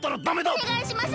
おねがいします